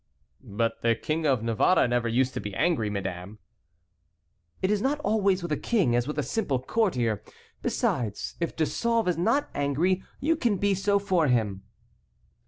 "But the King of Navarre never used to be angry, madame." "It is not always with a king as with a simple courtier. Besides, if De Sauve is not angry you can be so for him."